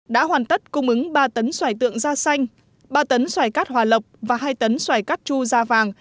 đã hoàn tất cung ứng ba tấn xoài tượng da xanh ba tấn xoài cát hòa lộc và hai tấn xoài cát chu da vàng